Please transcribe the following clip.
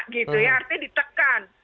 gitu ya artinya ditekan